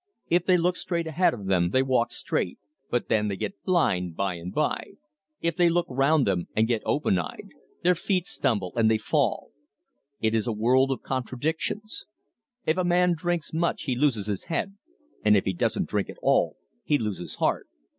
If they look straight ahead of them they walk straight, but then they get blind by and by; if they look round them and get open eyed, their feet stumble and they fall. It is a world of contradictions. If a man drinks much he loses his head, and if he doesn't drink at all he loses heart.